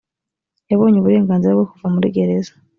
yabonye uburenganzira bwo kuva muri gereza